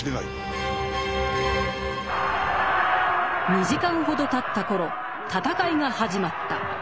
２時間ほどたった頃戦いが始まった。